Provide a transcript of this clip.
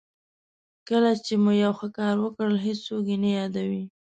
کله چې مو یو ښه کار وکړ هېڅوک یې نه یادوي.